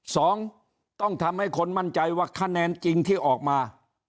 สองต้องทำให้คนมั่นใจว่าคะแนนจริงที่ออกมา